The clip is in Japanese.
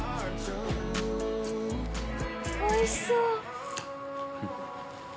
おいしそう。